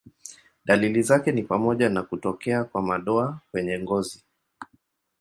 Dalili zake ni pamoja na kutokea kwa madoa kwenye ngozi.